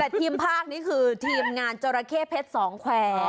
แต่ทีมภาคนี้คือทีมงานจราเข้เพชรสองแควร์